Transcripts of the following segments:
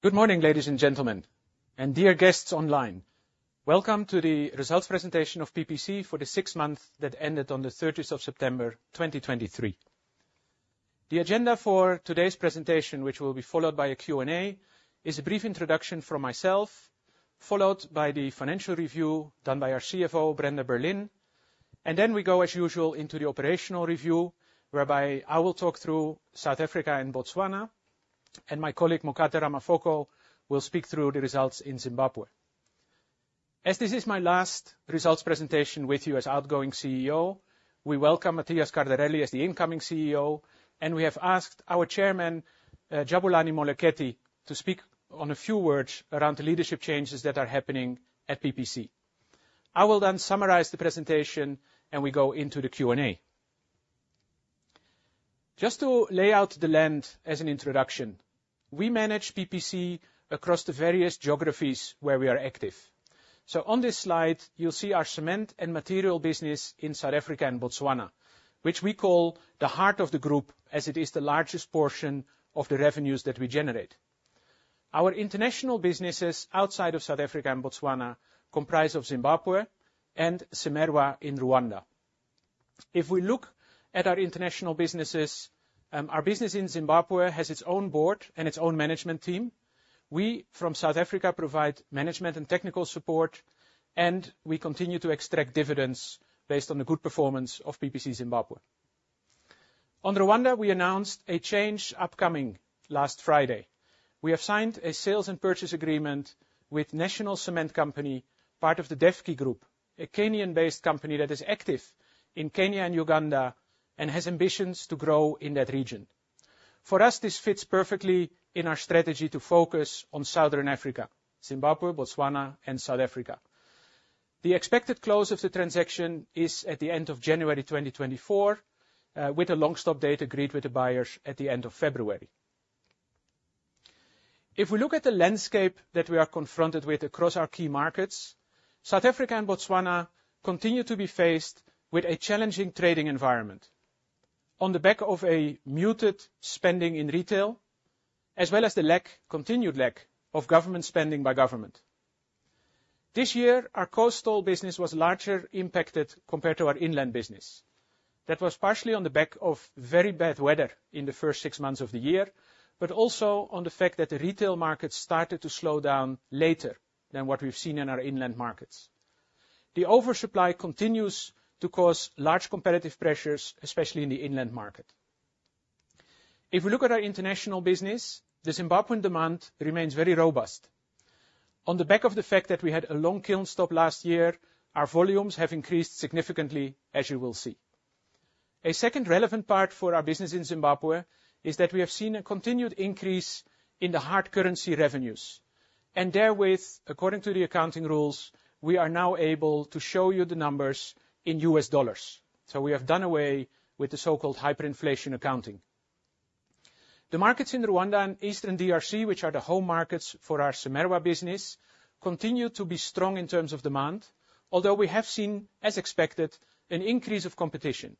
Good morning, ladies and gentlemen, and dear guests online. Welcome to the results presentation of PPC for the six months that ended on the September 30th, 2023. The agenda for today's presentation, which will be followed by a Q&A, is a brief introduction from myself, followed by the financial review done by our CFO, Brenda Berlin. Then we go, as usual, into the operational review, whereby I will talk through South Africa and Botswana, and my colleague, Mokate Ramafoko, will speak through the results in Zimbabwe. As this is my last results presentation with you as outgoing CEO, we welcome Matias Cardarelli as the incoming CEO, and we have asked our chairman, Jabulani Moleketi, to speak on a few words around the leadership changes that are happening at PPC. I will then summarize the presentation, and we go into the Q&A. Just to lay of the land as an introduction, we manage PPC across the various geographies where we are active. So on this slide, you'll see our cement and materials business in South Africa and Botswana, which we call the heart of the group, as it is the largest portion of the revenues that we generate. Our international businesses outside of South Africa and Botswana comprise of Zimbabwe and CIMERWA in Rwanda. If we look at our international businesses, our business in Zimbabwe has its own board and its own management team. We, from South Africa, provide management and technical support, and we continue to extract dividends based on the good performance of PPC Zimbabwe. On Rwanda, we announced a change upcoming last Friday. We have signed a sales and purchase agreement with National Cement Company, part of the Devki Group, a Kenyan-based company that is active in Kenya and Uganda and has ambitions to grow in that region. For us, this fits perfectly in our strategy to focus on Southern Africa, Zimbabwe, Botswana, and South Africa. The expected close of the transaction is at the end of January 2024, with a long stop date agreed with the buyers at the end of February. If we look at the landscape that we are confronted with across our key markets, South Africa and Botswana continue to be faced with a challenging trading environment. On the back of a muted spending in retail, as well as the lack, continued lack of government spending by government. This year, our coastal business was largely impacted compared to our inland business. That was partially on the back of very bad weather in the first six months of the year, but also on the fact that the retail market started to slow down later than what we've seen in our inland markets. The oversupply continues to cause large competitive pressures, especially in the inland market. If we look at our international business, the Zimbabwean demand remains very robust. On the back of the fact that we had a long kiln stop last year, our volumes have increased significantly, as you will see. A second relevant part for our business in Zimbabwe is that we have seen a continued increase in the hard currency revenues, and therewith, according to the accounting rules, we are now able to show you the numbers in U.S. dollars. So we have done away with the so-called hyperinflation accounting. The markets in Rwanda and Eastern DRC, which are the home markets for our CIMERWA business, continue to be strong in terms of demand, although we have seen, as expected, an increase of competition.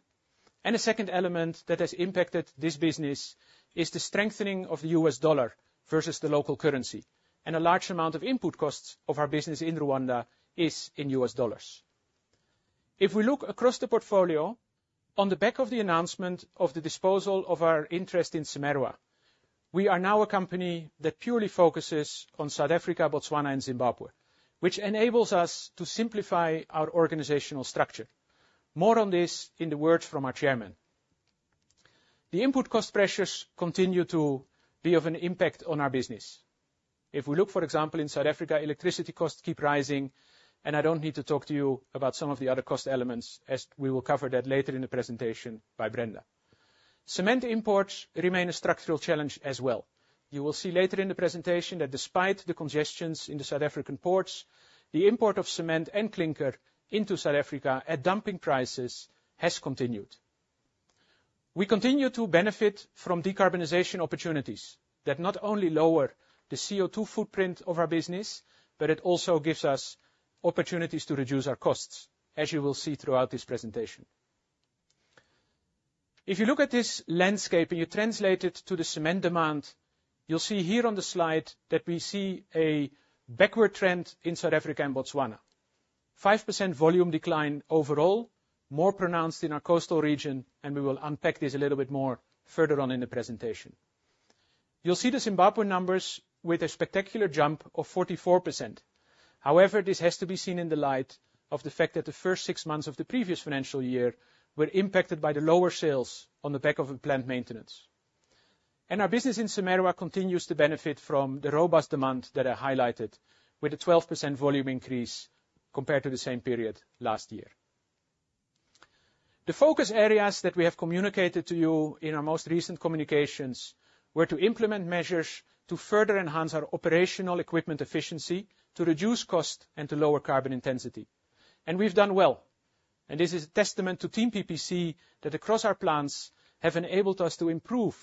A second element that has impacted this business is the strengthening of the U.S. dollar versus the local currency, and a large amount of input costs of our business in Rwanda is in U.S. dollars. If we look across the portfolio, on the back of the announcement of the disposal of our interest in CIMERWA, we are now a company that purely focuses on South Africa, Botswana, and Zimbabwe, which enables us to simplify our organizational structure. More on this in the words from our chairman. The input cost pressures continue to be of an impact on our business. If we look, for example, in South Africa, electricity costs keep rising, and I don't need to talk to you about some of the other cost elements, as we will cover that later in the presentation by Brenda. Cement imports remain a structural challenge as well. You will see later in the presentation that despite the congestion in the South African ports, the import of cement and clinker into South Africa at dumping prices has continued. We continue to benefit from decarbonization opportunities that not only lower the CO2 footprint of our business, but it also gives us opportunities to reduce our costs, as you will see throughout this presentation. If you look at this landscape and you translate it to the cement demand, you'll see here on the slide that we see a backward trend in South Africa and Botswana. 5% volume decline overall, more pronounced in our coastal region, and we will unpack this a little bit more further on in the presentation. You'll see the Zimbabwe numbers with a spectacular jump of 44%. However, this has to be seen in the light of the fact that the first six months of the previous financial year were impacted by the lower sales on the back of a plant maintenance. And our business in CIMERWA continues to benefit from the robust demand that I highlighted with a 12% volume increase compared to the same period last year. The focus areas that we have communicated to you in our most recent communications were to implement measures to further enhance our operational equipment efficiency, to reduce cost and to lower carbon intensity. We've done well, and this is a testament to Team PPC that across our plants have enabled us to improve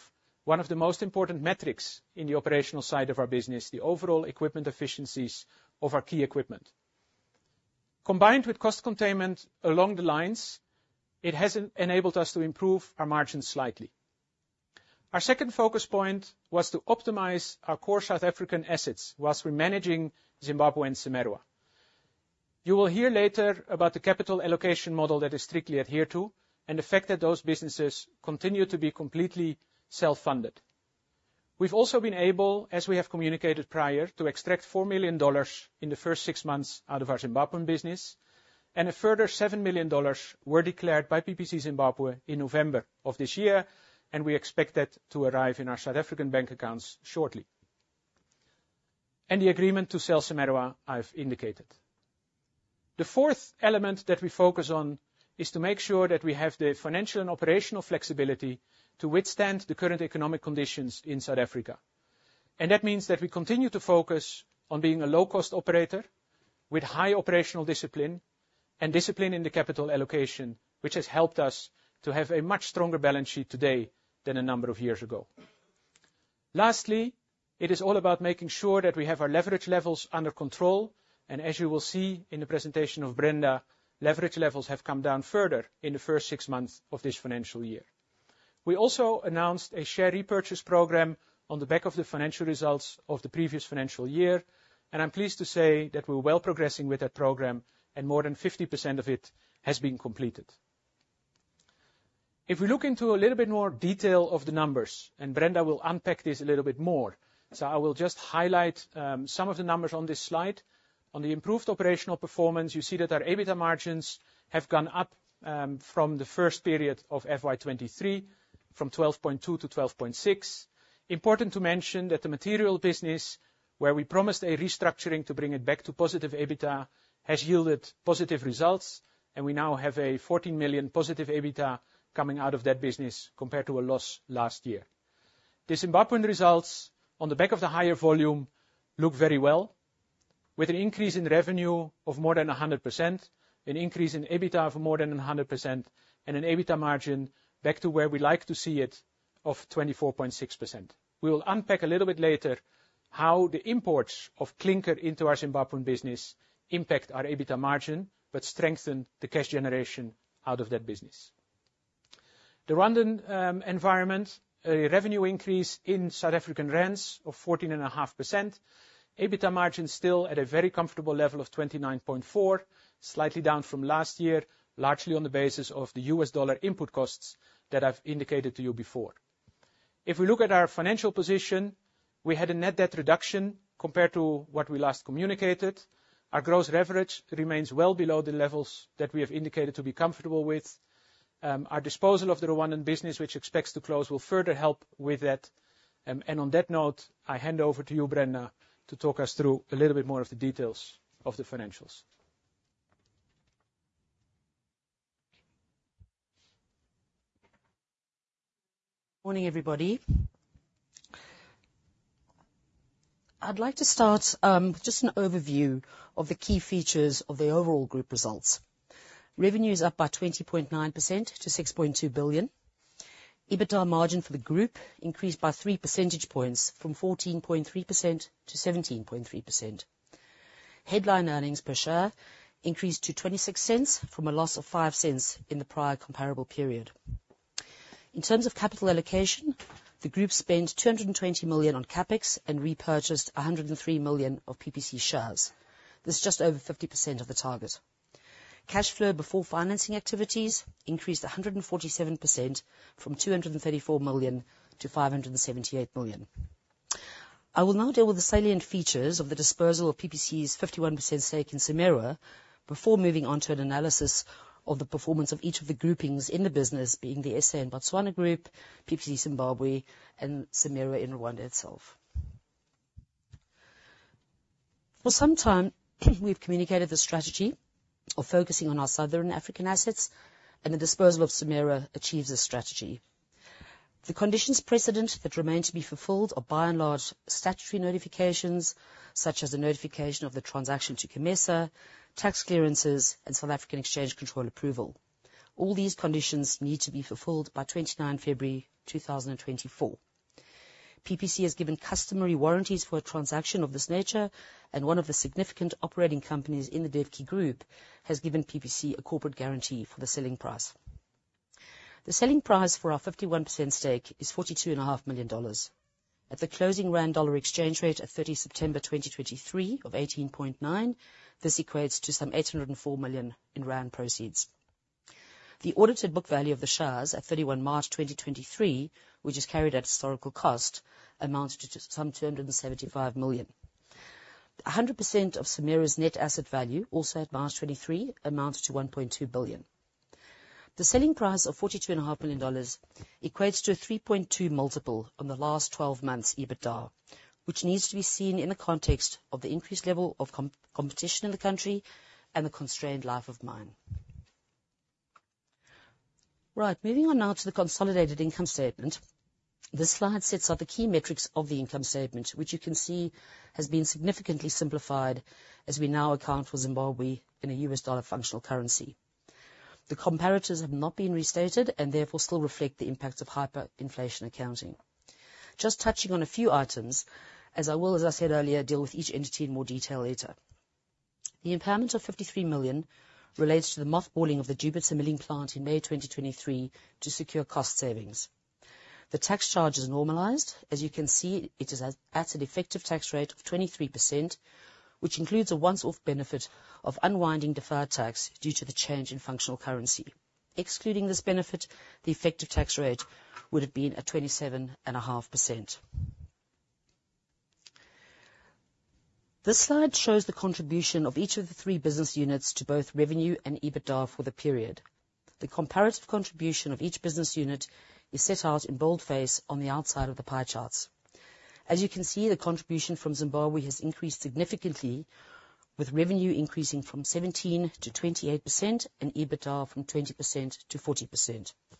one of the most important metrics in the operational side of our business, the overall equipment efficiencies of our key equipment, combined with cost containment along the lines. It has enabled us to improve our margins slightly. Our second focus point was to optimize our core South African assets while we're managing Zimbabwe and CIMERWA. You will hear later about the capital allocation model that is strictly adhered to, and the fact that those businesses continue to be completely self-funded. We've also been able, as we have communicated prior, to extract $4 million in the first six months out of our Zimbabwean business, and a further $7 million were declared by PPC Zimbabwe in November of this year, and we expect that to arrive in our South African bank accounts shortly. The agreement to sell CIMERWA, I've indicated. The fourth element that we focus on is to make sure that we have the financial and operational flexibility to withstand the current economic conditions in South Africa, and that means that we continue to focus on being a low-cost operator with high operational discipline and discipline in the capital allocation, which has helped us to have a much stronger balance sheet today than a number of years ago. Lastly, it is all about making sure that we have our leverage levels under control, and as you will see in the presentation of Brenda, leverage levels have come down further in the first six months of this financial year. We also announced a share repurchase program on the back of the financial results of the previous financial year, and I'm pleased to say that we're well progressing with that program, and more than 50% of it has been completed. If we look into a little bit more detail of the numbers, and Brenda will unpack this a little bit more, so I will just highlight some of the numbers on this slide. On the improved operational performance, you see that our EBITDA margins have gone up from the first period of FY 2023, from 12.2%-12.6%. Important to mention that the material business, where we promised a restructuring to bring it back to positive EBITDA, has yielded positive results, and we now have a 14 million positive EBITDA coming out of that business compared to a loss last year. The Zimbabwean results on the back of the higher volume look very well, with an increase in revenue of more than 100%, an increase in EBITDA of more than 100%, and an EBITDA margin back to where we like to see it of 24.6%. We will unpack a little bit later how the imports of clinker into our Zimbabwean business impact our EBITDA margin, but strengthen the cash generation out of that business. The Rwandan environment, a revenue increase in South African rands of 14.5%. EBITDA margins still at a very comfortable level of 29.4%, slightly down from last year, largely on the basis of the U.S. dollar input costs that I've indicated to you before. If we look at our financial position, we had a net debt reduction compared to what we last communicated. Our gross leverage remains well below the levels that we have indicated to be comfortable with. Our disposal of the Rwandan business, which expects to close, will further help with that. And on that note, I hand over to you, Brenda, to talk us through a little bit more of the details of the financials. Morning, everybody. I'd like to start with just an overview of the key features of the overall group results. Revenue is up by 20.9% to 6.2 billion. EBITDA margin for the group increased by three percentage points, from 14.3%-17.3%. Headline earnings per share increased to 0.26 from a loss of 0.05 in the prior comparable period. In terms of capital allocation, the group spent 220 million on CapEx and repurchased 103 million of PPC shares. This is just over 50% of the target. Cash flow before financing activities increased 147%, from 234 million-578 million. I will now deal with the salient features of the disposal of PPC's 51% stake in CIMERWA before moving on to an analysis of the performance of each of the groupings in the business, being the SA and Botswana Group, PPC Zimbabwe, and CIMERWA in Rwanda itself. For some time, we've communicated the strategy of focusing on our Southern African assets, and the disposal of CIMERWA achieves this strategy. The conditions precedent that remain to be fulfilled are by and large statutory notifications, such as the notification of the transaction to COMESA, tax clearances, and South African Exchange Control approval. All these conditions need to be fulfilled by February 29, 2024. PPC has given customary warranties for a transaction of this nature, and one of the significant operating companies in the Devki Group has given PPC a corporate guarantee for the selling price. The selling price for our 51% stake is $42.5 million. At the closing rand dollar exchange rate at September 30, 2023 of 18.9, this equates to some 804 million in rand proceeds. The audited book value of the shares at March 31, 2023, which is carried at historical cost, amounted to some 275 million. 100% of CIMERWA's net asset value, also at March 2023, amounted to ZAR 1.2 billion. The selling price of $42.5 million equates to a 3.2x multiple on the last 12 months' EBITDA, which needs to be seen in the context of the increased level of competition in the country and the constrained life of mine. Right. Moving on now to the consolidated income statement. This slide sets out the key metrics of the income statement, which you can see has been significantly simplified, as we now account for Zimbabwe in a U.S. dollar functional currency. The comparatives have not been restated and therefore still reflect the impact of hyperinflation accounting. Just touching on a few items, as I will, as I said earlier, deal with each entity in more detail later. The impairment of 53 million relates to the mothballing of the Jupiter milling plant in May 2023 to secure cost savings. The tax charge is normalized. As you can see, it is at an effective tax rate of 23%, which includes a one-off benefit of unwinding deferred tax due to the change in functional currency. Excluding this benefit, the effective tax rate would have been at 27.5%. This slide shows the contribution of each of the three business units to both revenue and EBITDA for the period. The comparative contribution of each business unit is set out in boldface on the outside of the pie charts. As you can see, the contribution from Zimbabwe has increased significantly, with revenue increasing from 17%-28% and EBITDA from 20%-40%. But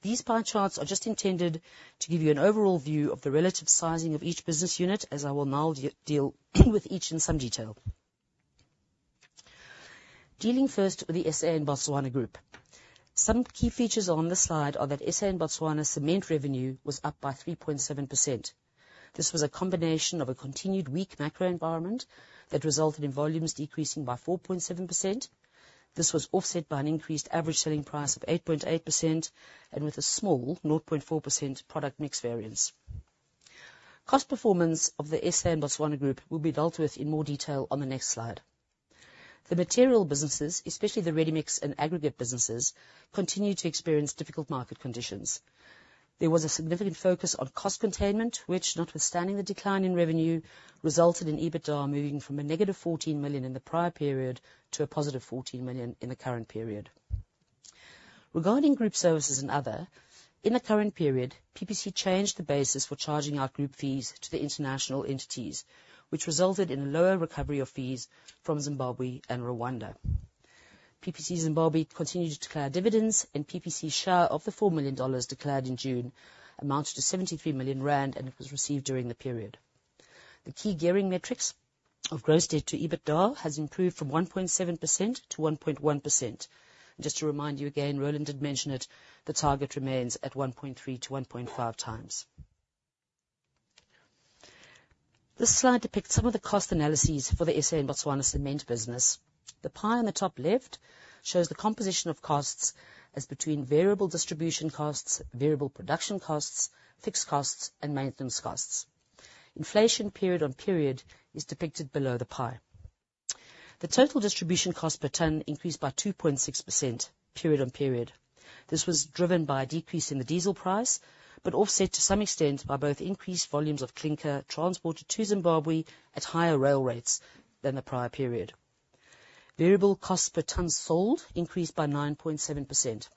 these pie charts are just intended to give you an overall view of the relative sizing of each business unit, as I will now deal with each in some detail. Dealing first with the SA and Botswana Group. Some key features on this slide are that SA and Botswana cement revenue was up by 3.7%. This was a combination of a continued weak macro environment that resulted in volumes decreasing by 4.7%. This was offset by an increased average selling price of 8.8% and with a small 0.4% product mix variance. Cost performance of the SA and Botswana Group will be dealt with in more detail on the next slide. The material businesses, especially the ready-mix and aggregate businesses, continued to experience difficult market conditions. There was a significant focus on cost containment, which, notwithstanding the decline in revenue, resulted in EBITDA moving from a negative 14 million in the prior period to a positive 14 million in the current period. Regarding group services and other, in the current period, PPC changed the basis for charging out group fees to the international entities, which resulted in lower recovery of fees from Zimbabwe and Rwanda. PPC Zimbabwe continued to declare dividends, and PPC's share of the $4 million declared in June amounted to 73 million rand, and it was received during the period. The key gearing metrics of gross debt to EBITDA has improved from 1.7%-1.1%. Just to remind you again, Roland did mention it, the target remains at 1.3x-1.5x. This slide depicts some of the cost analyses for the SA and Botswana cement business. The pie on the top left shows the composition of costs as between variable distribution costs, variable production costs, fixed costs, and maintenance costs. Inflation period on period is depicted below the pie. The total distribution cost per ton increased by 2.6% period on period. This was driven by a decrease in the diesel price, but offset to some extent by both increased volumes of clinker transported to Zimbabwe at higher rail rates than the prior period. Variable costs per ton sold increased by 9.7%.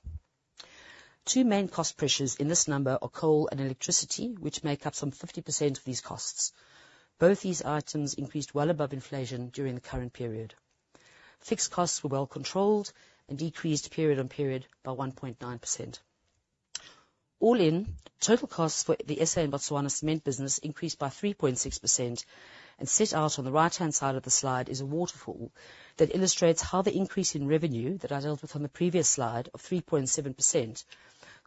Two main cost pressures in this number are coal and electricity, which make up some 50% of these costs. Both these items increased well above inflation during the current period. Fixed costs were well controlled and decreased period-on-period by 1.9%. All in, total costs for the SA and Botswana cement business increased by 3.6%, and set out on the right-hand side of the slide is a waterfall that illustrates how the increase in revenue, that I dealt with on the previous slide, of 3.7%,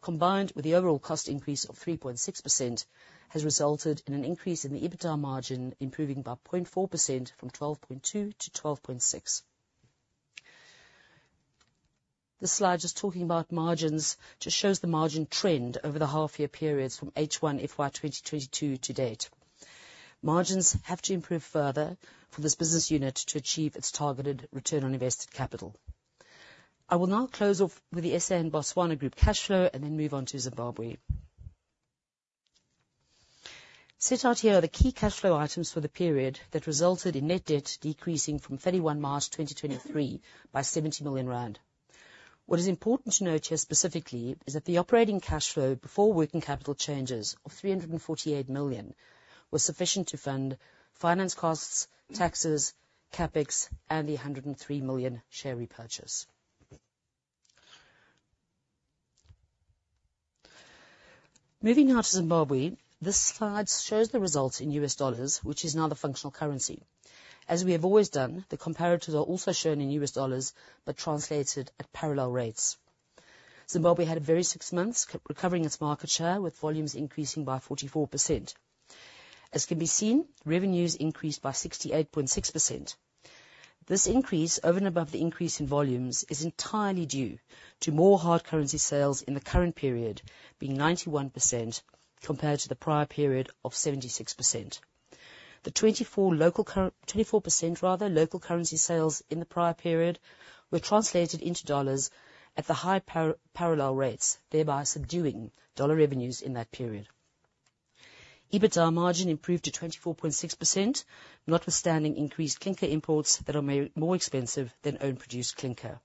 combined with the overall cost increase of 3.6%, has resulted in an increase in the EBITDA margin, improving by 0.4% from 12.2% to 12.6%. This slide, just talking about margins, just shows the margin trend over the half year periods from H1 FY 2022 to date. Margins have to improve further for this business unit to achieve its targeted return on invested capital. I will now close off with the SA and Botswana group cash flow and then move on to Zimbabwe. Set out here are the key cash flow items for the period that resulted in net debt decreasing from March 31, 2023 by 70 million rand. What is important to note here specifically is that the operating cash flow before working capital changes of 348 million was sufficient to fund finance costs, taxes, CapEx, and the 103 million share repurchase. Moving now to Zimbabwe, this slide shows the results in U.S. dollars, which is now the functional currency. As we have always done, the comparatives are also shown in U.S. dollars, but translated at parallel rates. Zimbabwe had a very six months recovering its market share, with volumes increasing by 44%. As can be seen, revenues increased by 68.6%. This increase, over and above the increase in volumes, is entirely due to more hard currency sales in the current period, being 91%, compared to the prior period of 76%. The 24% rather, local currency sales in the prior period were translated into dollars at the high parallel rates, thereby subduing dollar revenues in that period. EBITDA margin improved to 24.6%, notwithstanding increased clinker imports that are more expensive than own produced clinker.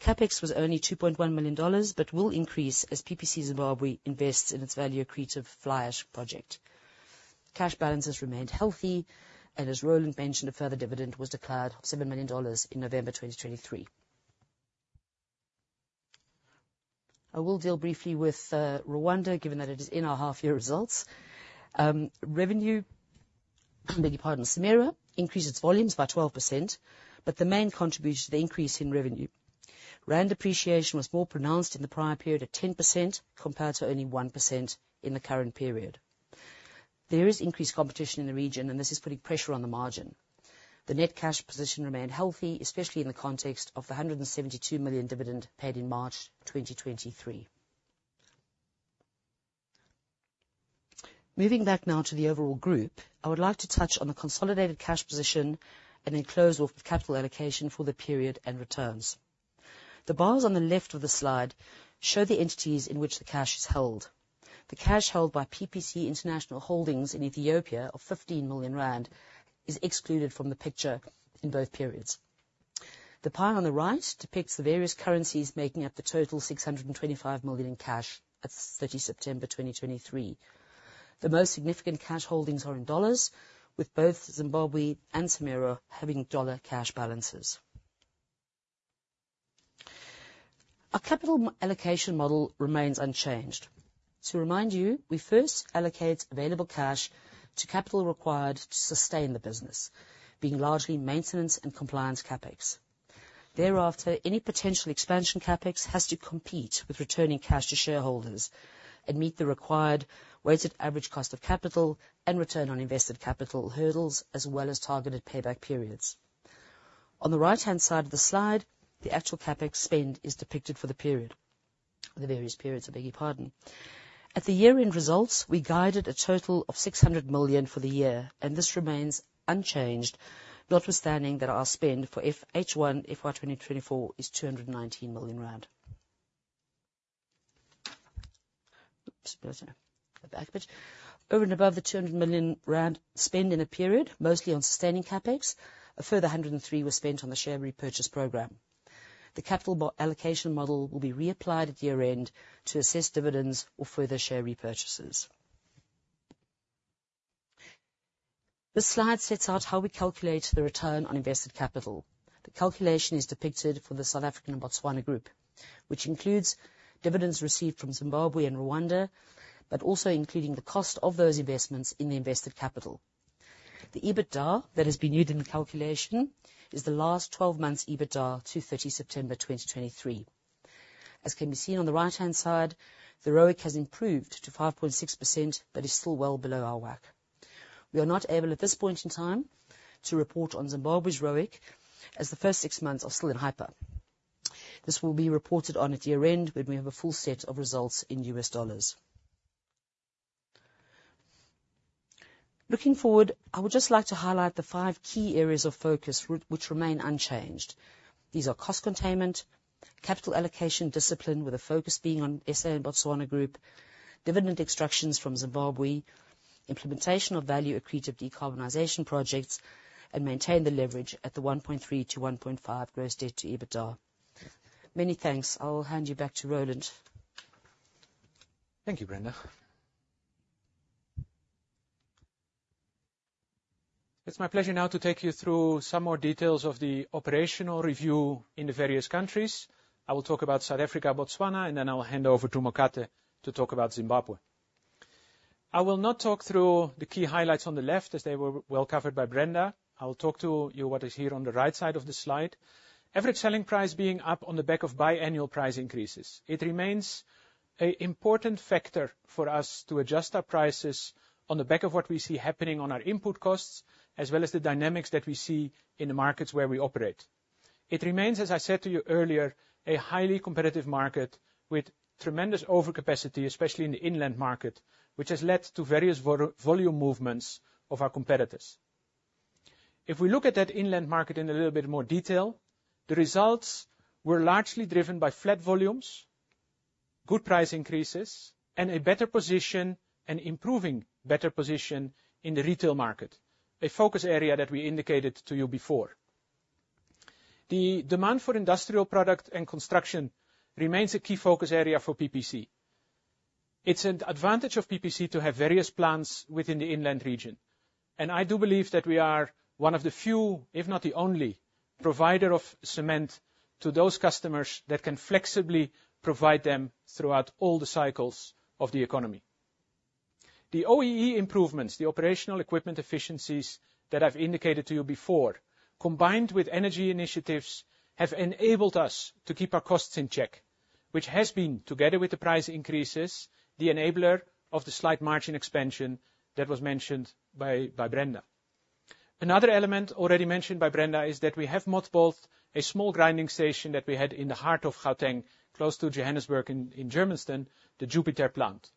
CapEx was only $2.1 million, but will increase as PPC Zimbabwe invests in its value accretive fly ash project. Cash balances remained healthy, and as Roland mentioned, a further dividend was declared of $7 million in November 2023.... I will deal briefly with Rwanda, given that it is in our half-year results. Revenue, beg your pardon. CIMERWA increased its volumes by 12%, but the main contribution to the increase in revenue, rand appreciation was more pronounced in the prior period of 10%, compared to only 1% in the current period. There is increased competition in the region, and this is putting pressure on the margin. The net cash position remained healthy, especially in the context of the 172 million dividend paid in March 2023. Moving back now to the overall group, I would like to touch on the consolidated cash position and then close off with capital allocation for the period and returns. The bars on the left of the slide show the entities in which the cash is held. The cash held by PPC International Holdings in Ethiopia of 15 million rand is excluded from the picture in both periods. The pie on the right depicts the various currencies making up the total 625 million in cash at September 30, 2023. The most significant cash holdings are in dollars, with both Zimbabwe and CIMERWA having dollar cash balances. Our capital allocation model remains unchanged. To remind you, we first allocate available cash to capital required to sustain the business, being largely maintenance and compliance CapEx. Thereafter, any potential expansion CapEx has to compete with returning cash to shareholders and meet the required weighted average cost of capital and return on invested capital hurdles, as well as targeted payback periods. On the right-hand side of the slide, the actual CapEx spend is depicted for the period. The various periods, I beg your pardon. At the year-end results, we guided a total of 600 million for the year, and this remains unchanged, notwithstanding that our spend for H1 FY 2024 is ZAR 219 million. Oops, go to the back page. Over and above the 200 million rand spend in a period, mostly on sustaining CapEx, a further 103 million was spent on the share repurchase program. The capital allocation model will be reapplied at year-end to assess dividends or further share repurchases. This slide sets out how we calculate the return on invested capital. The calculation is depicted for the South African Botswana Group, which includes dividends received from Zimbabwe and Rwanda, but also including the cost of those investments in the invested capital. The EBITDA that has been used in the calculation is the last 12 months EBITDA to September 30, 2023. As can be seen on the right-hand side, the ROIC has improved to 5.6%, but is still well below our WACC. We are not able, at this point in time, to report on Zimbabwe's ROIC, as the first six months are still in hyperinflation. This will be reported on at year-end, when we have a full set of results in U.S. dollars. Looking forward, I would just like to highlight the five key areas of focus which remain unchanged. These are cost containment, capital allocation discipline, with a focus being on SA and Botswana Group, dividend extractions from Zimbabwe, implementation of value accretive decarbonization projects, and maintain the leverage at the 1.3x-1.5x gross debt to EBITDA. Many thanks. I'll hand you back to Roland. Thank you, Brenda. It's my pleasure now to take you through some more details of the operational review in the various countries. I will talk about South Africa, Botswana, and then I will hand over to Mokate to talk about Zimbabwe. I will not talk through the key highlights on the left, as they were well covered by Brenda. I will talk to you what is here on the right side of the slide. Average selling price being up on the back of biannual price increases. It remains an important factor for us to adjust our prices on the back of what we see happening on our input costs, as well as the dynamics that we see in the markets where we operate. It remains, as I said to you earlier, a highly competitive market with tremendous overcapacity, especially in the inland market, which has led to various volume movements of our competitors. If we look at that inland market in a little bit more detail, the results were largely driven by flat volumes, good price increases, and a better position and improving better position in the retail market, a focus area that we indicated to you before. The demand for industrial product and construction remains a key focus area for PPC. It's an advantage of PPC to have various plants within the inland region, and I do believe that we are one of the few, if not the only, provider of cement to those customers that can flexibly provide them throughout all the cycles of the economy. The OEE improvements, the operational equipment efficiencies that I've indicated to you before, combined with energy initiatives, have enabled us to keep our costs in check, which has been, together with the price increases, the enabler of the slight margin expansion that was mentioned by Brenda. Another element already mentioned by Brenda is that we have mothballed a small grinding station that we had in the heart of Gauteng, close to Johannesburg in Germiston, the Jupiter plant.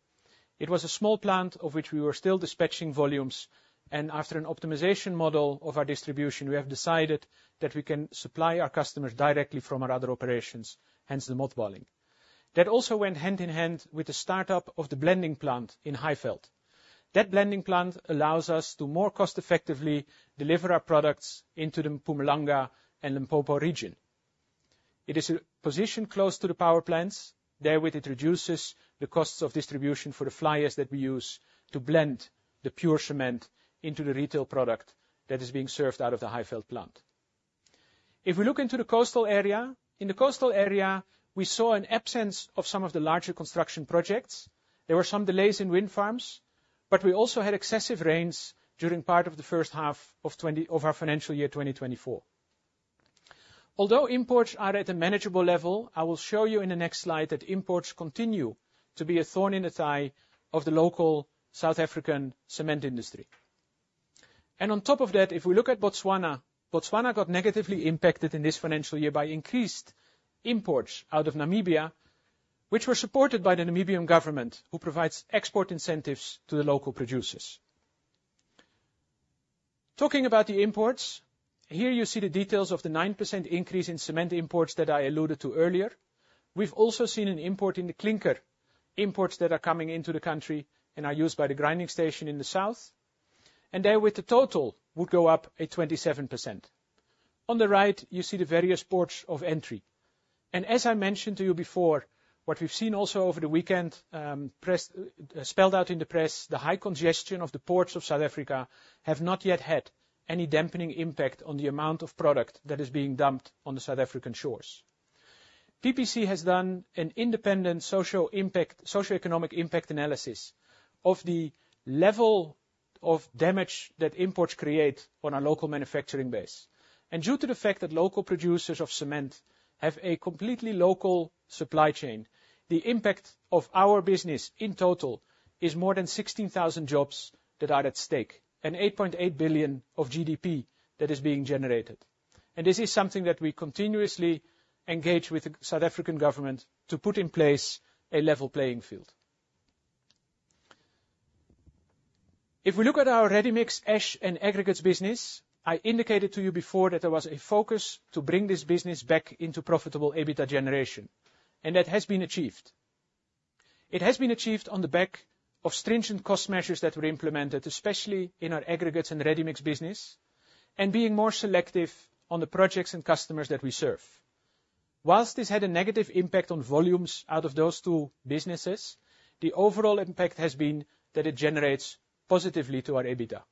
It was a small plant of which we were still dispatching volumes, and after an optimization model of our distribution, we have decided that we can supply our customers directly from our other operations, hence the mothballing. That also went hand in hand with the startup of the blending plant in Highveld. That blending plant allows us to more cost-effectively deliver our products into the Mpumalanga and Limpopo region. It is positioned close to the power plants. Therewith, it reduces the costs of distribution for the fly ash that we use to blend the pure cement into the retail product that is being served out of the Highveld plant. If we look into the coastal area, in the coastal area, we saw an absence of some of the larger construction projects. There were some delays in wind farms, but we also had excessive rains during part of the first half of our financial year, 2024. Although imports are at a manageable level, I will show you in the next slide that imports continue to be a thorn in the side of the local South African cement industry. And on top of that, if we look at Botswana, Botswana got negatively impacted in this financial year by increased imports out of Namibia, which were supported by the Namibian government, who provides export incentives to the local producers. Talking about the imports, here you see the details of the 9% increase in cement imports that I alluded to earlier. We've also seen an import in the clinker imports that are coming into the country and are used by the grinding station in the south, and there with the total would go up at 27%. On the right, you see the various ports of entry, and as I mentioned to you before, what we've seen also over the weekend, press spelled out in the press, the high congestion of the ports of South Africa have not yet had any dampening impact on the amount of product that is being dumped on the South African shores. PPC has done an independent social impact, socioeconomic impact analysis of the level of damage that imports create on our local manufacturing base. Due to the fact that local producers of cement have a completely local supply chain, the impact of our business in total is more than 16,000 jobs that are at stake and 8.8 billion of GDP that is being generated. This is something that we continuously engage with the South African government to put in place a level playing field. If we look at our ready mix ash and aggregates business, I indicated to you before that there was a focus to bring this business back into profitable EBITDA generation, and that has been achieved. It has been achieved on the back of stringent cost measures that were implemented, especially in our aggregates and ready-mix business, and being more selective on the projects and customers that we serve. While this had a negative impact on volumes out of those two businesses, the overall impact has been that it generates positively to our EBITDA.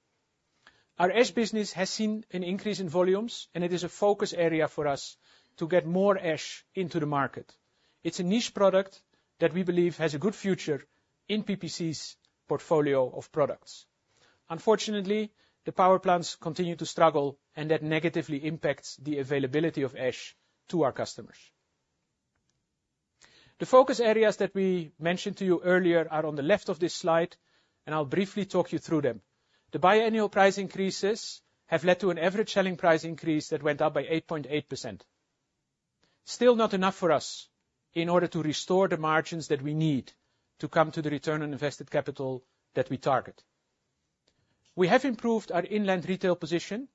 Our ash business has seen an increase in volumes, and it is a focus area for us to get more ash into the market. It's a niche product that we believe has a good future in PPC's portfolio of products. Unfortunately, the power plants continue to struggle, and that negatively impacts the availability of ash to our customers. The focus areas that we mentioned to you earlier are on the left of this slide, and I'll briefly talk you through them. The biannual price increases have led to an average selling price increase that went up by 8.8%. Still not enough for us in order to restore the margins that we need to come to the return on invested capital that we target. We have improved our inland retail position.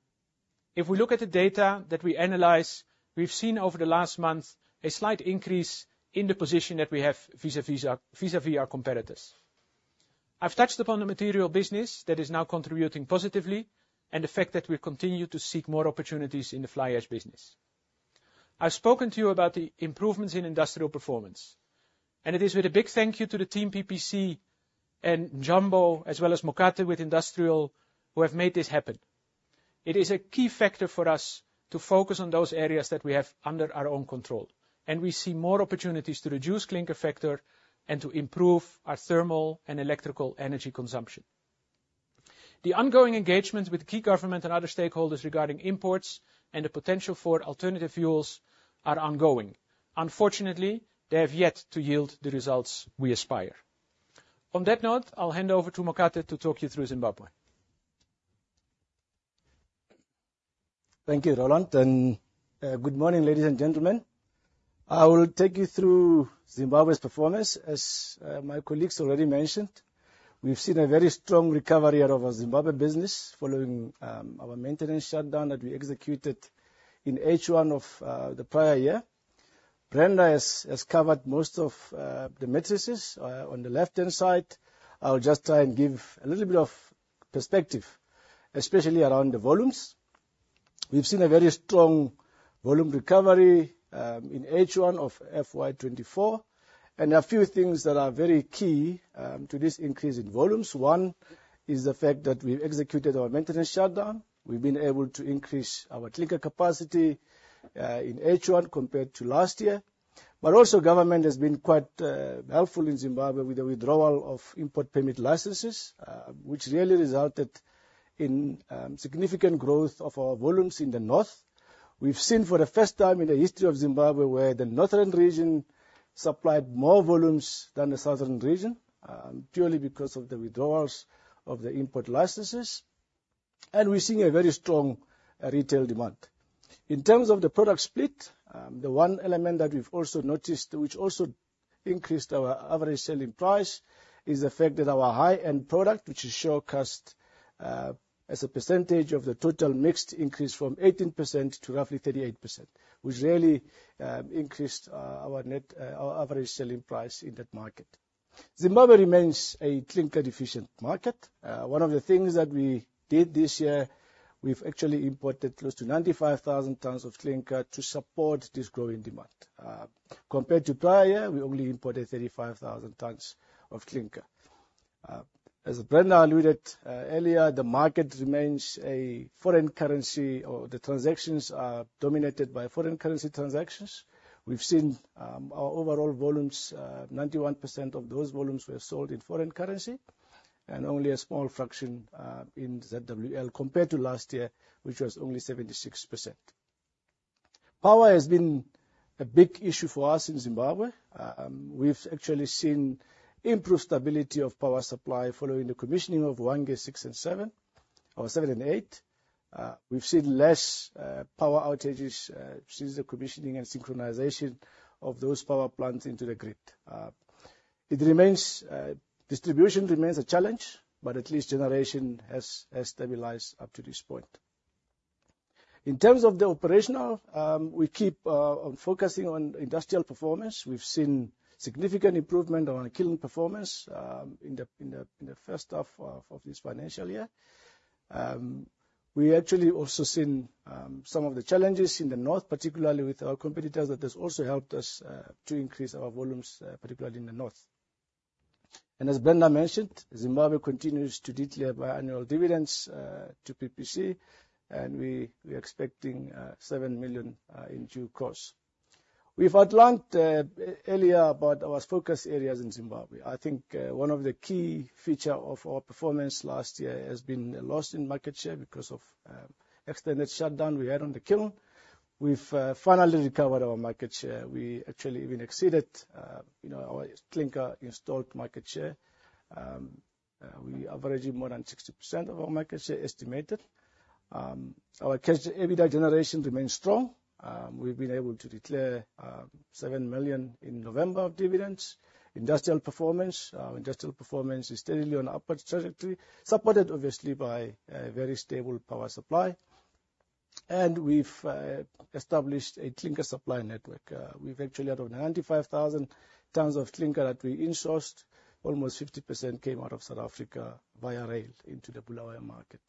If we look at the data that we analyze, we've seen over the last month a slight increase in the position that we have vis-à-vis our competitors. I've touched upon the material business that is now contributing positively and the fact that we continue to seek more opportunities in the fly ash business. I've spoken to you about the improvements in industrial performance, and it is with a big thank you to the team PPC and Njombo, as well as Mokate with Industrial, who have made this happen. It is a key factor for us to focus on those areas that we have under our own control, and we see more opportunities to reduce clinker factor and to improve our thermal and electrical energy consumption. The ongoing engagements with key government and other stakeholders regarding imports and the potential for alternative fuels are ongoing. Unfortunately, they have yet to yield the results we aspire. On that note, I'll hand over to Mokate to talk you through Zimbabwe. Thank you, Roland, and good morning, ladies and gentlemen. I will take you through Zimbabwe's performance. As my colleagues already mentioned, we've seen a very strong recovery out of our Zimbabwe business following our maintenance shutdown that we executed in H1 of the prior year. Brenda has covered most of the metrics. On the left-hand side, I'll just try and give a little bit of perspective, especially around the volumes. We've seen a very strong volume recovery in H1 of FY 2024, and a few things that are very key to this increase in volumes. One is the fact that we've executed our maintenance shutdown. We've been able to increase our clinker capacity in H1 compared to last year. But also, government has been quite, helpful in Zimbabwe with the withdrawal of import permit licenses, which really resulted in, significant growth of our volumes in the north. We've seen for the first time in the history of Zimbabwe, where the northern region supplied more volumes than the southern region, purely because of the withdrawals of the import licenses, and we're seeing a very strong retail demand. In terms of the product split, the one element that we've also noticed, which also increased our average selling price, is the fact that our high-end product, which is showcased, as a percentage of the total mixed, increased from 18% to roughly 38%, which really, increased, our net, our average selling price in that market. Zimbabwe remains a clinker-deficient market. One of the things that we did this year, we've actually imported close to 95,000 tons of clinker to support this growing demand. Compared to prior year, we only imported 35,000 tons of clinker. As Brenda alluded earlier, the market remains a foreign currency, or the transactions are dominated by foreign currency transactions. We've seen our overall volumes, 91% of those volumes were sold in foreign currency, and only a small fraction in ZWL, compared to last year, which was only 76%. Power has been a big issue for us in Zimbabwe. We've actually seen improved stability of power supply following the commissioning of Hwange 6 and 7, or 7 and 8. We've seen less power outages since the commissioning and synchronization of those power plants into the grid. It remains, distribution remains a challenge, but at least generation has stabilized up to this point. In terms of the operational, we keep on focusing on industrial performance. We've seen significant improvement on our kiln performance, in the first half of this financial year. We actually also seen some of the challenges in the north, particularly with our competitors, but that's also helped us to increase our volumes, particularly in the north. And as Brenda mentioned, Zimbabwe continues to declare biannual dividends to PPC, and we're expecting $7 million in due course. We've outlined earlier about our focus areas in Zimbabwe. I think, one of the key feature of our performance last year has been a loss in market share because of, extended shutdown we had on the kiln. We've, finally recovered our market share. We actually even exceeded, you know, our clinker installed market share. We averaging more than 60% of our market share estimated. So our cash, EBITDA generation remains strong. We've been able to declare, 7 million in November of dividends. Industrial performance. Our industrial performance is steadily on upward trajectory, supported, obviously, by a very stable power supply, and we've, established a clinker supply network. We've actually out of 95,000 tons of clinker that we insourced, almost 50% came out of South Africa via rail into the Bulawayo market.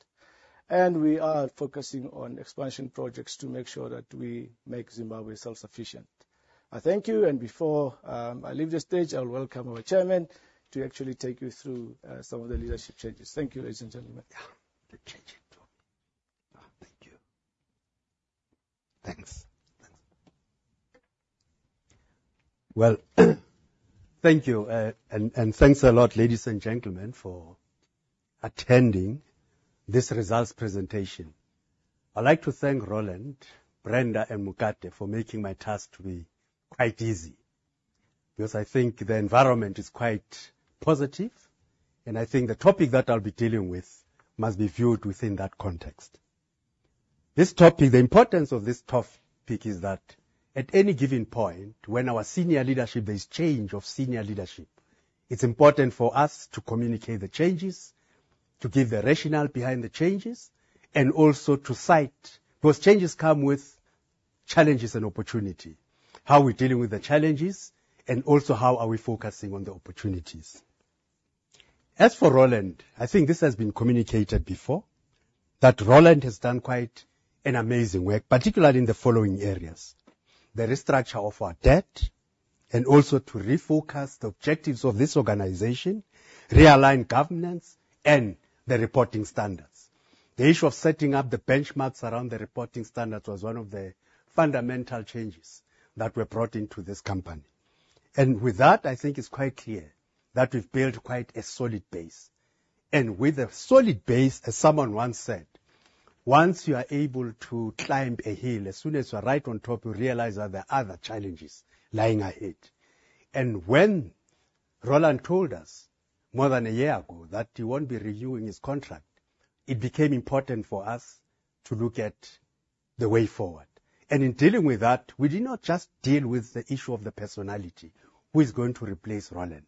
We are focusing on expansion projects to make sure that we make Zimbabwe self-sufficient. I thank you, and before I leave the stage, I'll welcome our chairman to actually take you through some of the leadership changes. Thank you, ladies and gentlemen. The changing too. Thank you. Thanks. Thanks. Well, thank you, and, and thanks a lot, ladies and gentlemen, for attending this results presentation. I'd like to thank Roland, Brenda, and Mokate for making my task to be quite easy, because I think the environment is quite positive, and I think the topic that I'll be dealing with must be viewed within that context. This topic, the importance of this topic is that at any given point, when our senior leadership, there's change of senior leadership, it's important for us to communicate the changes, to give the rationale behind the changes, and also to cite, those changes come with challenges and opportunity, how we're dealing with the challenges, and also how are we focusing on the opportunities. As for Roland, I think this has been communicated before, that Roland has done quite an amazing work, particularly in the following areas: the restructure of our debt and also to refocus the objectives of this organization, realign governance and the reporting standards. The issue of setting up the benchmarks around the reporting standards was one of the fundamental changes that were brought into this company. And with that, I think it's quite clear that we've built quite a solid base. With a solid base, as someone once said, "Once you are able to climb a hill, as soon as you are right on top, you realize that there are other challenges lying ahead." And when Roland told us more than a year ago that he won't be renewing his contract, it became important for us to look at the way forward, and in dealing with that, we did not just deal with the issue of the personality, who is going to replace Roland?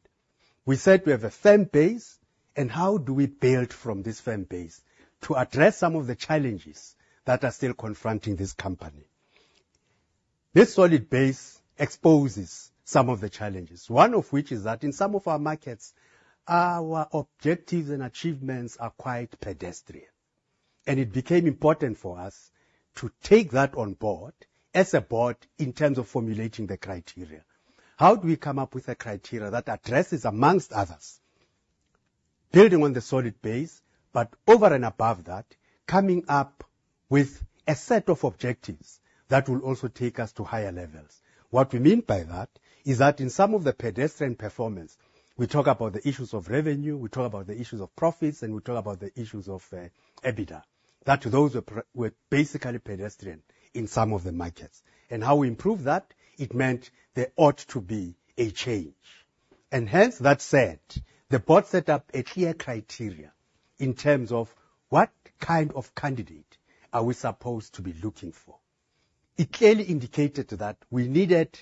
We said we have a firm base, and how do we build from this firm base to address some of the challenges that are still confronting this company? This solid base exposes some of the challenges, one of which is that in some of our markets, our objectives and achievements are quite pedestrian. It became important for us to take that on board, as a board, in terms of formulating the criteria. How do we come up with a criteria that addresses, among others, building on the solid base, but over and above that, coming up with a set of objectives that will also take us to higher levels? What we mean by that is that in some of the pedestrian performance, we talk about the issues of revenue, we talk about the issues of profits, and we talk about the issues of EBITDA. That those were basically pedestrian in some of the markets. And how we improve that, it meant there ought to be a change. And hence, that said, the Board set up a clear criteria in terms of what kind of candidate are we supposed to be looking for? It clearly indicated that we needed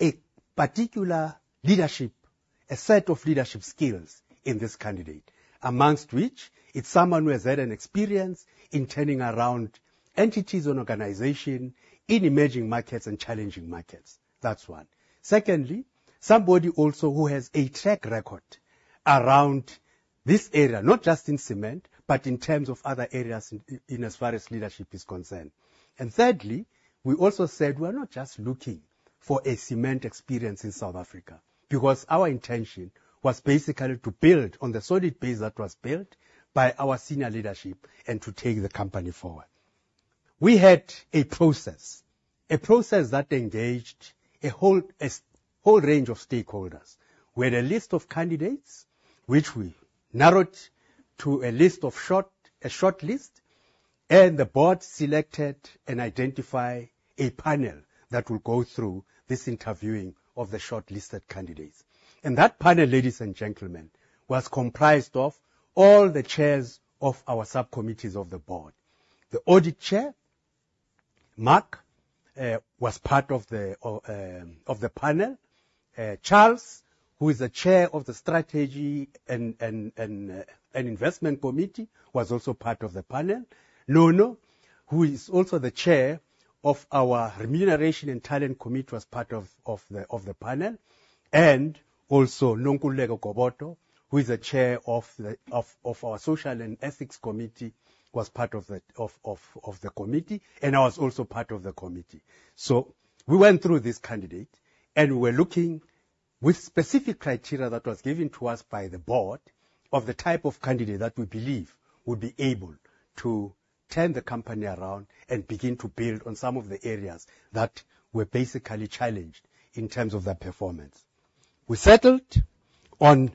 a particular leadership, a set of leadership skills in this candidate, among which it's someone who has had an experience in turning around entities and organization in emerging markets and challenging markets. That's one. Secondly, somebody also who has a track record around this area, not just in cement, but in terms of other areas in as far as leadership is concerned. And thirdly, we also said we are not just looking for a cement experience in South Africa, because our intention was basically to build on the solid base that was built by our senior leadership and to take the company forward. We had a process, a process that engaged a whole range of stakeholders. We had a list of candidates, which we narrowed to a short list, and the Board selected and identify a panel that will go through this interviewing of the shortlisted candidates. That panel, ladies and gentlemen, was comprised of all the chairs of our subcommittees of the Board. The Audit Chair, Mark, was part of the panel. Charles, who is the chair of the Strategy and Investment Committee, was also part of the panel. Nono, who is also the chair of our Remuneration and Talent Committee, was part of the panel, and also Nonkululeko Gobodo, who is the chair of our Social and Ethics Committee, was part of the committee, and I was also part of the committee. So we went through this candidate, and we're looking with specific criteria that was given to us by the Board, of the type of candidate that we believe would be able to turn the company around and begin to build on some of the areas that were basically challenged in terms of their performance. We settled on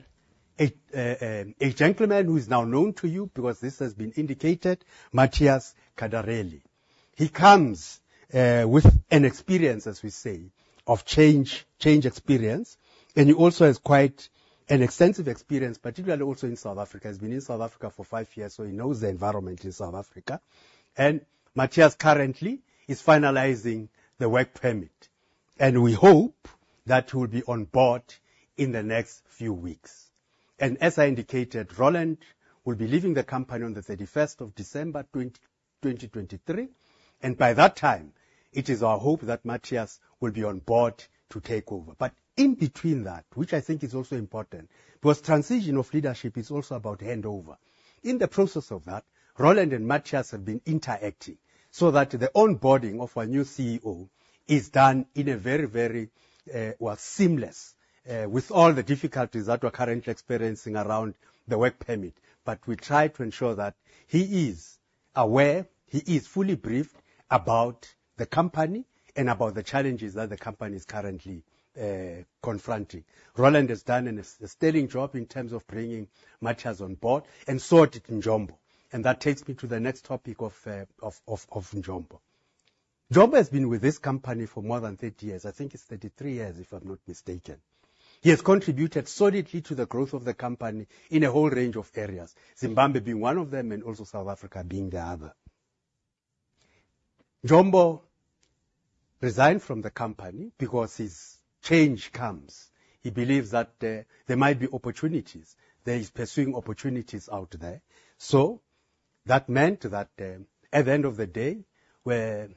a gentleman who is now known to you because this has been indicated, Matias Cardarelli. He comes with an experience, as we say, of change, change experience, and he also has quite an extensive experience, particularly also in South Africa. He's been in South Africa for five years, so he knows the environment in South Africa. And Matias currently is finalizing the work permit, and we hope that he will be on board in the next few weeks. As I indicated, Roland will be leaving the company on the December 31st, 2023, and by that time, it is our hope that Matias will be on board to take over. But in between that, which I think is also important, because transition of leadership is also about handover. In the process of that, Roland and Matias have been interacting so that the onboarding of our new CEO is done in a very, very, well, seamless, with all the difficulties that we're currently experiencing around the work permit. But we try to ensure that he is aware, he is fully briefed about the company and about the challenges that the company is currently confronting. Roland has done a sterling job in terms of bringing Matias on board, and so did Njombo. That takes me to the next topic of Njombo. Njombo has been with this company for more than 30 years. I think it's 33 years, if I'm not mistaken. He has contributed solidly to the growth of the company in a whole range of areas, Zimbabwe being one of them, and also South Africa being the other. Njombo resigned from the company because his change comes. He believes that there might be opportunities. There is pursuing opportunities out there. So that meant that at the end of the day, where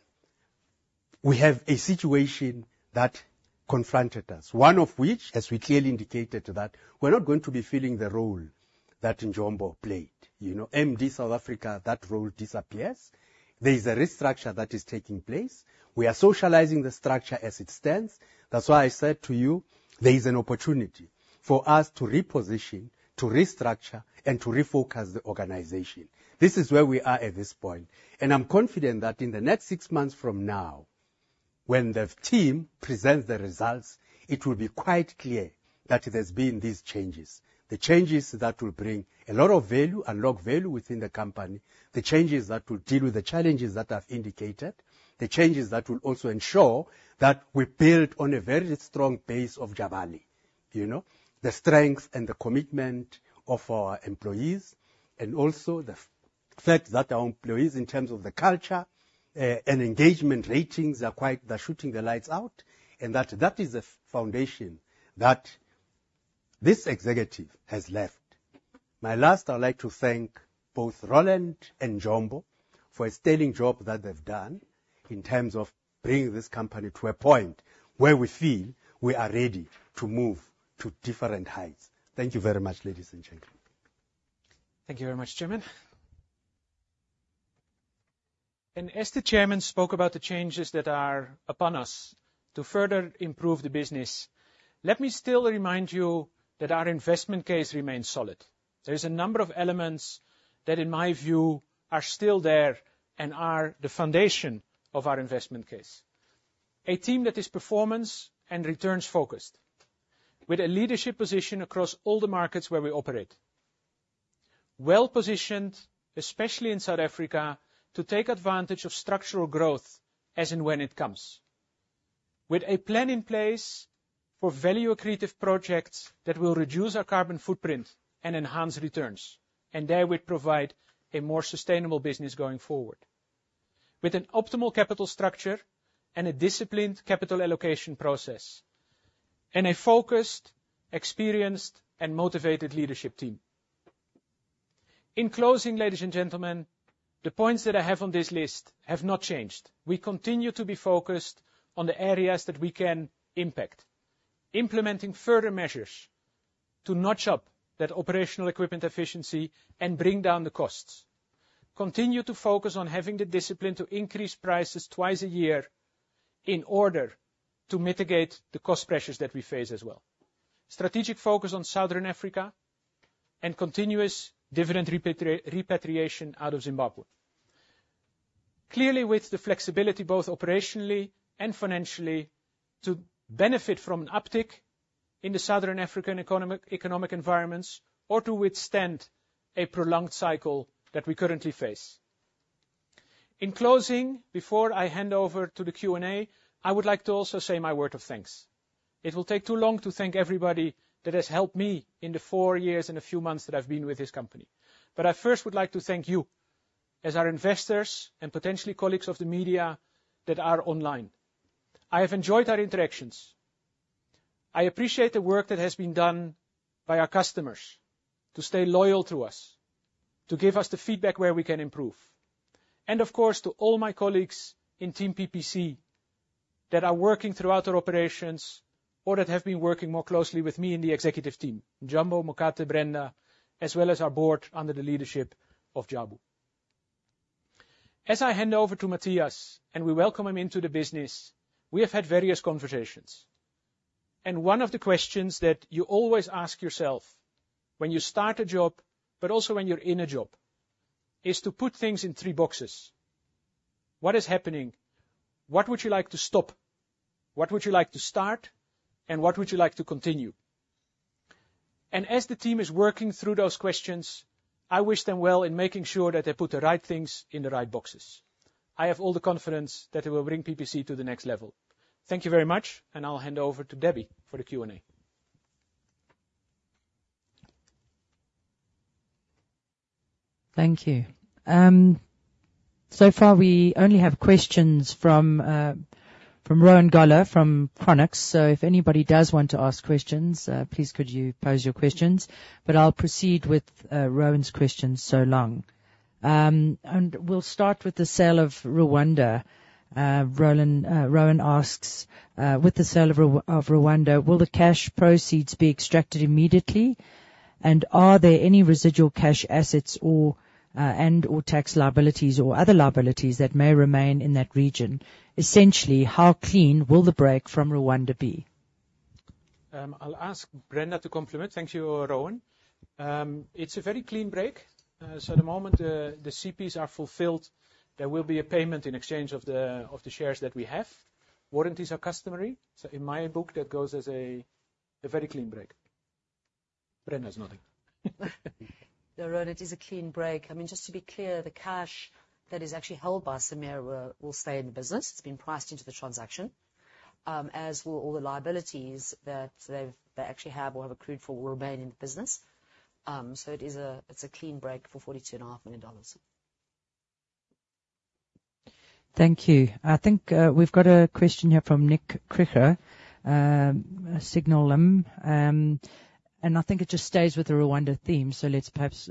we have a situation that confronted us, one of which, as we clearly indicated, that we're not going to be filling the role that Njombo played. You know, MD South Africa, that role disappears. There is a restructure that is taking place. We are socializing the structure as it stands. That's why I said to you, there is an opportunity for us to reposition, to restructure, and to refocus the organization. This is where we are at this point, and I'm confident that in the next six months from now, when the team presents the results, it will be quite clear that there's been these changes. The changes that will bring a lot of value, unlock value within the company, the changes that will deal with the challenges that I've indicated, the changes that will also ensure that we build on a very strong base of [Javani]. You know, the strength and the commitment of our employees, and also the fact that our employees, in terms of the culture, and engagement ratings, are quite... They're shooting the lights out, and that, that is the foundation that this executive has left. My last, I'd like to thank both Roland and Njombo for a sterling job that they've done in terms of bringing this company to a point where we feel we are ready to move to different heights. Thank you very much, ladies and gentlemen. Thank you very much, Chairman. As the chairman spoke about the changes that are upon us to further improve the business, let me still remind you that our investment case remains solid. There is a number of elements that, in my view, are still there and are the foundation of our investment case. A team that is performance and returns-focused, with a leadership position across all the markets where we operate. Well-positioned, especially in South Africa, to take advantage of structural growth as and when it comes. With a plan in place for value-accretive projects that will reduce our carbon footprint and enhance returns, and there we provide a more sustainable business going forward. With an optimal capital structure and a disciplined capital allocation process, and a focused, experienced, and motivated leadership team. In closing, ladies and gentlemen, the points that I have on this list have not changed. We continue to be focused on the areas that we can impact, implementing further measures to notch up that operational equipment efficiency and bring down the costs. Continue to focus on having the discipline to increase prices twice a year in order to mitigate the cost pressures that we face as well. Strategic focus on Southern Africa and continuous dividend repatriation out of Zimbabwe. Clearly, with the flexibility, both operationally and financially, to benefit from an uptick in the Southern African economic, economic environments, or to withstand a prolonged cycle that we currently face. In closing, before I hand over to the Q&A, I would like to also say my word of thanks. It will take too long to thank everybody that has helped me in the four years and a few months that I've been with this company. But I first would like to thank you, as our investors and potentially colleagues of the media that are online. I have enjoyed our interactions. I appreciate the work that has been done by our customers to stay loyal to us, to give us the feedback where we can improve, and of course, to all my colleagues in team PPC that are working throughout our operations or that have been working more closely with me in the executive team, Njombo, Mokate, Brenda, as well as our board, under the leadership of Jabu. As I hand over to Matias, and we welcome him into the business, we have had various conversations, and one of the questions that you always ask yourself when you start a job, but also when you're in a job, is to put things in three boxes: What is happening? What would you like to stop? What would you like to start, and what would you like to continue? As the team is working through those questions, I wish them well in making sure that they put the right things in the right boxes. I have all the confidence that they will bring PPC to the next level. Thank you very much, and I'll hand over to Debbie for the Q&A. Thank you. So far, we only have questions from Rowan Goeller, from Chronux. So if anybody does want to ask questions, please, could you pose your questions? But I'll proceed with Rowan's questions so long. And we'll start with the sale of Rwanda. Rowan asks, "With the sale of Rwanda, will the cash proceeds be extracted immediately, and are there any residual cash, assets or and/or tax liabilities or other liabilities that may remain in that region? Essentially, how clean will the break from Rwanda be? I'll ask Brenda to comment. Thank you, Rowan. It's a very clean break. So the moment the CPs are fulfilled, there will be a payment in exchange of the shares that we have. Warranties are customary, so in my book, that goes as a very clean break. Brenda's nodding. Yeah, Rowan, it is a clean break. I mean, just to be clear, the cash that is actually held by CIMERWA will stay in the business. It's been priced into the transaction, as will all the liabilities that they actually have or have accrued for, will remain in the business. So it is a, it's a clean break for $42.5 million. Thank you. I think, we've got a question here from Nick [Kriker, Signalum]. I think it just stays with the Rwanda theme, so let's perhaps,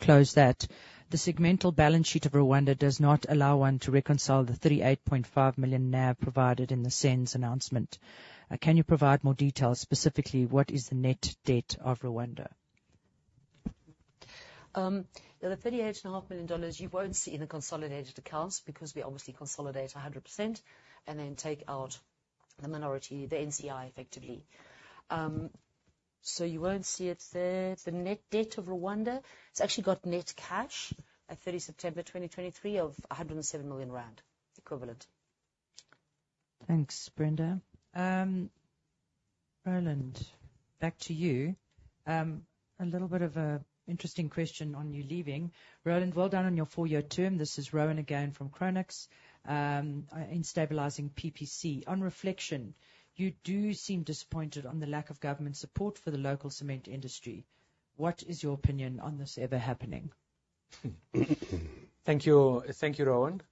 close that. The segmental balance sheet of Rwanda does not allow one to reconcile the 38.5 million NAV provided in the SENS announcement. Can you provide more details, specifically, what is the net debt of Rwanda? The $38.5 million, you won't see in the consolidated accounts, because we obviously consolidate 100% and then take out the minority, the NCI, effectively. So you won't see it there. The net debt of Rwanda, it's actually got net cash at September 30, 2023 of 107 million rand equivalent. Thanks, Brenda. Roland, back to you. A little bit of a interesting question on you leaving. "Roland, well done on your four-year term," This is Rowan again from Chronux, "in stabilizing PPC. On reflection, you do seem disappointed on the lack of government support for the local cement industry. What is your opinion on this ever happening? Thank you, thank you, Rowan.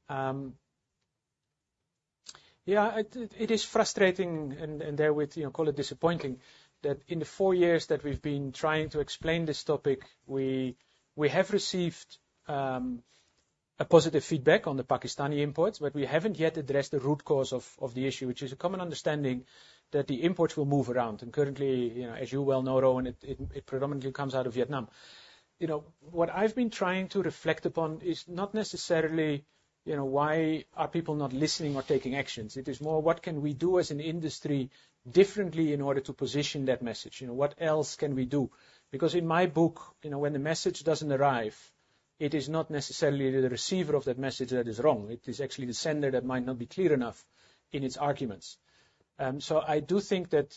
Yeah, it is frustrating and therewith, you know, call it disappointing, that in the four years that we've been trying to explain this topic, we have received a positive feedback on the Pakistani imports, but we haven't yet addressed the root cause of the issue, which is a common understanding that the imports will move around. And currently, you know, as you well know, Rowan, it predominantly comes out of Vietnam. You know, what I've been trying to reflect upon is not necessarily, you know, why are people not listening or taking actions? It is more, what can we do as an industry differently in order to position that message? You know, what else can we do? Because in my book, you know, when the message doesn't arrive, it is not necessarily the receiver of that message that is wrong. It is actually the sender that might not be clear enough in its arguments. So I do think that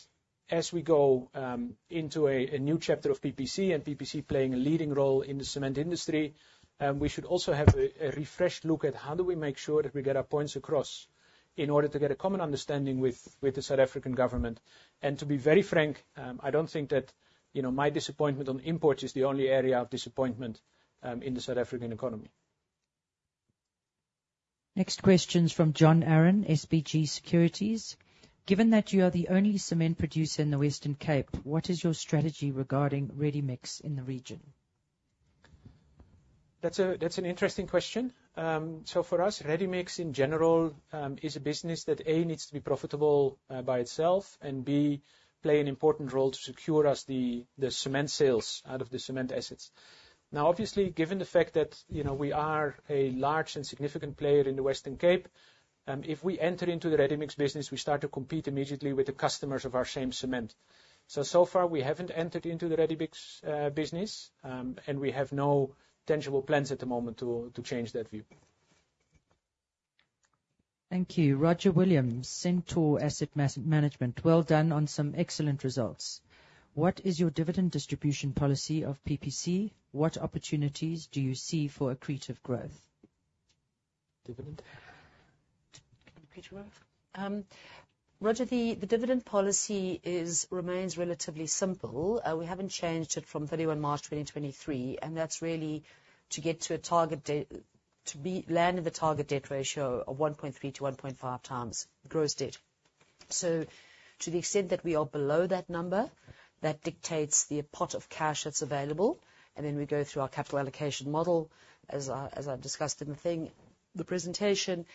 as we go into a new chapter of PPC and PPC playing a leading role in the cement industry, we should also have a refreshed look at how do we make sure that we get our points across in order to get a common understanding with the South African government. And to be very frank, I don't think that, you know, my disappointment on imports is the only area of disappointment in the South African economy. Next question's from John Arron, SBG Securities: Given that you are the only cement producer in the Western Cape, what is your strategy regarding ready mix in the region?... That's an interesting question. So for us, ready-mix, in general, is a business that, A, needs to be profitable, by itself, and B, play an important role to secure us the cement sales out of the cement assets. Now, obviously, given the fact that, you know, we are a large and significant player in the Western Cape, if we enter into the ready-mix business, we start to compete immediately with the customers of our same cement. So, so far, we haven't entered into the ready-mix business, and we have no tangible plans at the moment to change that view. Thank you. Roger Williams, Centaur Asset Management. Well done on some excellent results. What is your dividend distribution policy of PPC? What opportunities do you see for accretive growth? Dividend. Accretive growth. Roger, the dividend policy remains relatively simple. We haven't changed it from 31 March 2023, and that's really to get to a target debt ratio of 1.3x-1.5x gross debt. So to the extent that we are below that number, that dictates the pot of cash that's available, and then we go through our capital allocation model, as I've discussed in the presentation.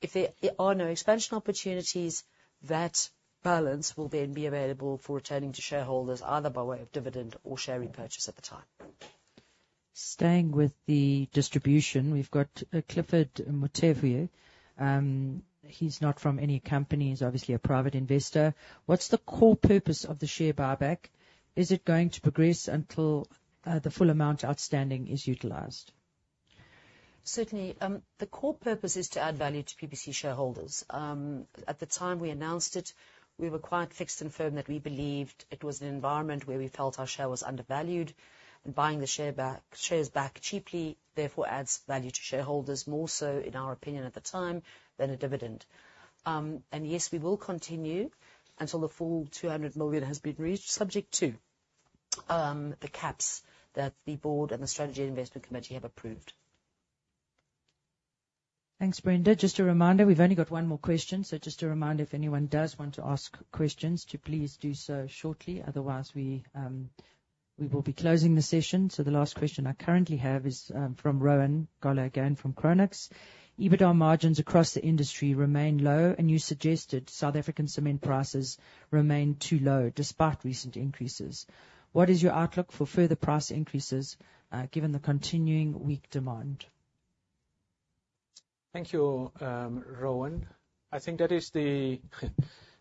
If there are no expansion opportunities, that balance will then be available for returning to shareholders, either by way of dividend or share repurchase at the time. Staying with the distribution, we've got Clifford Motevie. He's not from any company. He's obviously a private investor. What's the core purpose of the share buyback? Is it going to progress until the full amount outstanding is utilized? Certainly. The core purpose is to add value to PPC shareholders. At the time we announced it, we were quite fixed and firm that we believed it was an environment where we felt our share was undervalued, and buying the share back, shares back cheaply, therefore, adds value to shareholders, more so, in our opinion at the time, than a dividend. Yes, we will continue until the full 200 million has been reached, subject to the caps that the Board and the Strategy and Investment Committee have approved. Thanks, Brenda. Just a reminder, we've only got one more question, so just a reminder, if anyone does want to ask questions, to please do so shortly. Otherwise, we, we will be closing the session. So the last question I currently have is, from Rowan Goeller again, from Chronux. EBITDA margins across the industry remain low, and you suggested South African cement prices remain too low, despite recent increases. What is your outlook for further price increases, given the continuing weak demand? Thank you, Rowan. I think that is the,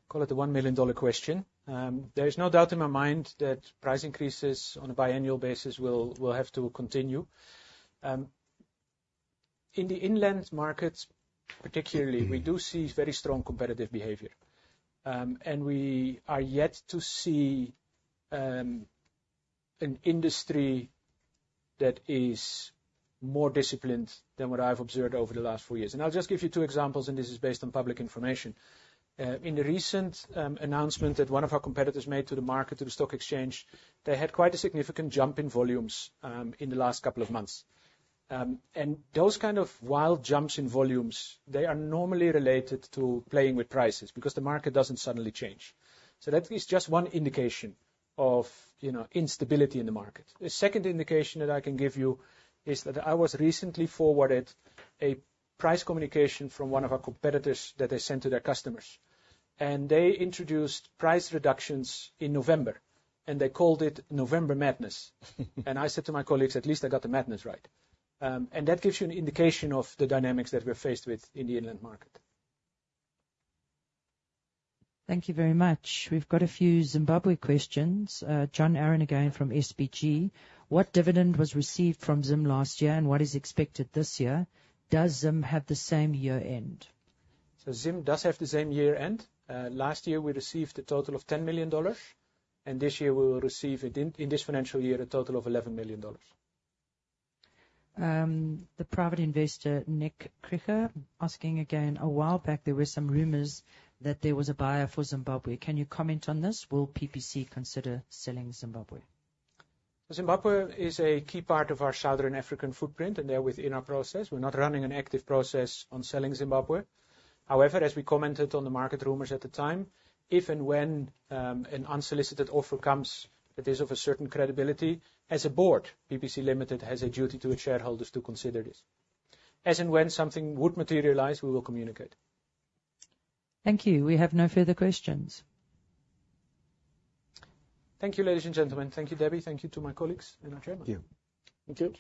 call it the 1 million dollar question. There is no doubt in my mind that price increases on a biannual basis will, will have to continue. In the inland markets, particularly, we do see very strong competitive behavior. And we are yet to see, an industry that is more disciplined than what I've observed over the last four years. And I'll just give you two examples, and this is based on public information. In the recent, announcement that one of our competitors made to the market, to the stock exchange, they had quite a significant jump in volumes, in the last couple of months. And those kind of wild jumps in volumes, they are normally related to playing with prices, because the market doesn't suddenly change. So that is just one indication of, you know, instability in the market. The second indication that I can give you is that I was recently forwarded a price communication from one of our competitors that they sent to their customers, and they introduced price reductions in November, and they called it November Madness. And I said to my colleagues, "At least I got the madness right." And that gives you an indication of the dynamics that we're faced with in the inland market. Thank you very much. We've got a few Zimbabwe questions. John Arron again, from SBG: What dividend was received from Zim last year, and what is expected this year? Does Zim have the same year end? So Zim does have the same year end. Last year, we received a total of $10 million, and this year we will receive, in this financial year, a total of $11 million. The private investor, Nick Kriker, asking again, a while back, there were some rumors that there was a buyer for Zimbabwe. Can you comment on this? Will PPC consider selling Zimbabwe? Zimbabwe is a key part of our Southern African footprint, and they're within our process. We're not running an active process on selling Zimbabwe. However, as we commented on the market rumors at the time, if and when an unsolicited offer comes that is of a certain credibility, as a board, PPC Limited has a duty to its shareholders to consider this. As and when something would materialize, we will communicate. Thank you. We have no further questions. Thank you, ladies and gentlemen. Thank you, Debbie. Thank you to my colleagues and our chairman. Thank you. Thank you.